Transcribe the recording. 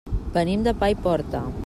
Venim de Paiporta.